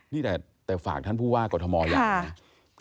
นี่แหละแต่ฝากท่านผู้ว่ากฎมอย่าง